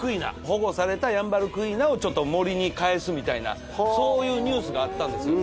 保護されたヤンバルクイナを森にかえすみたいなそういうニュースがあったんですよ。